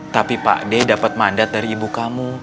tapi pak d dapat mandat dari ibu kamu